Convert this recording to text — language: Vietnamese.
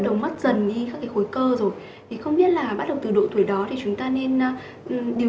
đầu mất dần đi các khối cơ rồi thì không biết là bắt đầu từ độ tuổi đó thì chúng ta nên điều